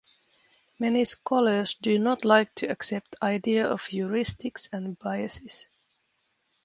Many scholars do not like to accept idea of heuristics and biases.